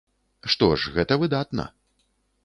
Што ж, гэта выдатна.